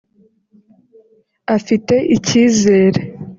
afite icyizere